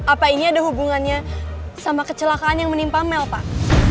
apa ini ada hubungannya sama kecelakaan yang menimpa mel pak